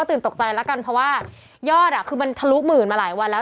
ตื่นตกใจแล้วกันเพราะว่ายอดคือมันทะลุหมื่นมาหลายวันแล้ว